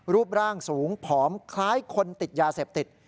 รูปร่างสูงผอมคล้ายคนติดยาเสพติด